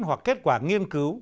hoặc kết quả nghiên cứu